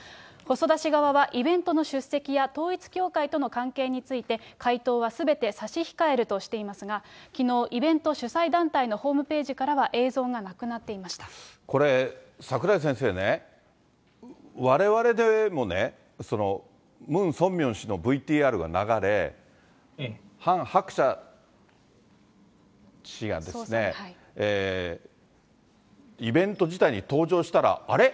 細田氏側のイベントの出席や統一教会との関係について、回答はすべて差し控えるとしていますが、きのう、イベント主催団体のホームページからは、映像がなくなっていましこれ、櫻井先生ね、われわれでもね、ムン・ソンミョン氏のＶＴＲが流れ、ハン・ハクチャ氏が、イベント自体に登場したら、あれ？